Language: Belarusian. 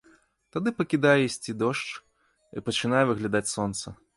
Тады пакідае ісці дождж, і пачынае выглядаць сонца.